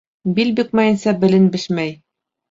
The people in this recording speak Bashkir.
Бил бөкмәйенсә белен бешмәй.